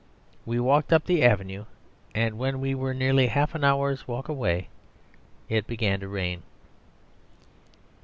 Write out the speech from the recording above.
We walked up the avenue, and when we were nearly half an hour's walk away it began to rain.